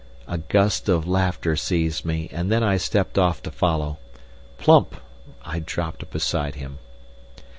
A gust of laughter seized me, and then I stepped off to follow. Plump! I dropped beside him.